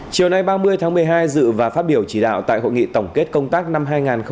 chiều nay ba mươi tháng một mươi hai dự và phát biểu chỉ đạo tại hội nghị tổng kết công tác năm hai nghìn một mươi chín